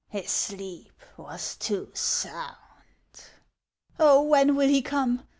His sleep was too sound." " Oh, when will he come ?